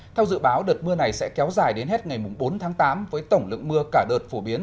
theo dự báo đợt mưa này sẽ kéo dài đến hết ngày bốn tháng tám với tổng lượng mưa cả đợt phổ biến